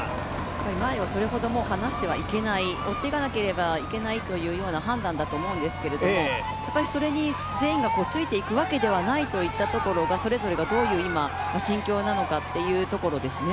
前をそれほど離してはいけない、追っていかなければいけないという判断だと思うんですけれどもそれに全員がついていくわけではないといったところが、それぞれが今どういう心境なのかというところですね。